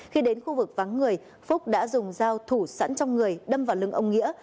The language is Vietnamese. khi đến khu vực vắng người phúc đã dùng dao thủ sẵn trong người đâm vào lưng ông nghĩa